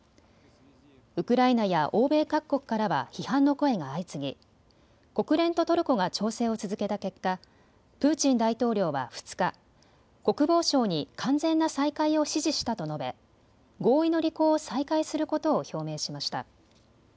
ウクライナや欧米各国からは批判の声が相次ぎ国連とトルコが調整を続けた結果、プーチン大統領は２日、国防省に完全な再開を指示したと述べ合意の履行を再開することを表明しました。